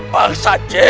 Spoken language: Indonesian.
kyu bukanya sendiri ocha